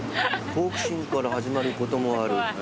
「好奇心から始まることもある。」